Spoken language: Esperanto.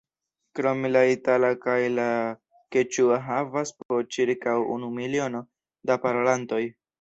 Krome la itala kaj la keĉua havas po ĉirkaŭ unu miliono da parolantoj.